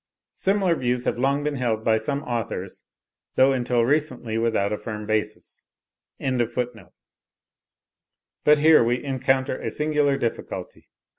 Similar views have long been held by some authors, though until recently without a firm basis.) But here we encounter a singular difficulty.